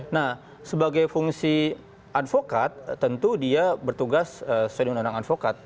nah sebagai fungsi advokat tentu dia bertugas sesuai dengan undang undang advokat